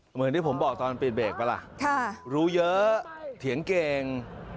เหมือนที่ผมบอกตอนปิดเบรกป่ะล่ะรู้เยอะเถียงเก่ง